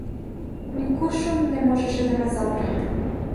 Ни куршум не можеше да ме запре.